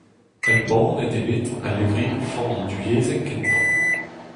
Embannet eo bet al levrigoù familh divyezhek kentañ.